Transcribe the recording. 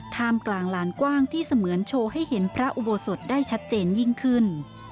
ท่ามกลางหลานกว้างที่เสมือนโชว์ให้เห็นพระอุโบสถได้ชัดเจนยิ่งขึ้น